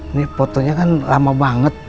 ini fotonya kan lama banget